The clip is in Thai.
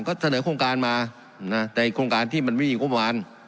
ก็เสนอโครงการมาในโครงการที่มันไม่มีงบประมาณ